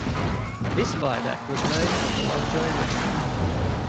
This viaduct was known as the Lovejoy Ramp.